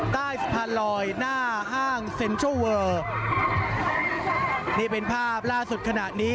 ใต้สะพานลอยหน้าห้างเซ็นเชิลเวอร์นี่เป็นภาพล่าสุดขณะนี้